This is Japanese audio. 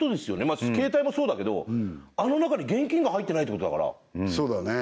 まあ携帯もそうだけどあの中に現金が入ってないってことだからそうだね